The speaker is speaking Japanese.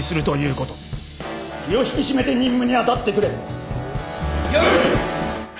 気を引き締めて任務に当たってくれ。